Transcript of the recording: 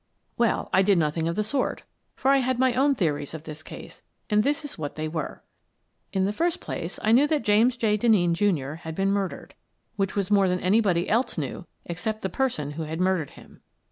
Well, I did nothing of the sort, for I had my own theories of this case, and this is what they were: In the first place, I knew that James J. Den neen, Jr., had been murdered — which was more than anybody else knew except the person who had murdered him.